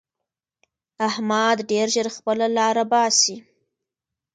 احمد ډېر ژر خپله لاره باسي.